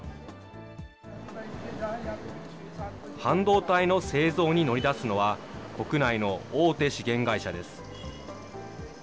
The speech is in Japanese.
半導体の製造に乗り出すのは、国内の大手資源会社です。